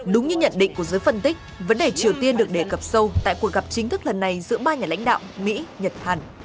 đúng như nhận định của giới phân tích vấn đề triều tiên được đề cập sâu tại cuộc gặp chính thức lần này giữa ba nhà lãnh đạo mỹ nhật hàn